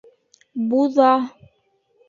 Буҙа